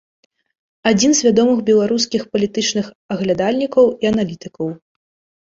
Адзін з вядомых беларускіх палітычных аглядальнікаў і аналітыкаў.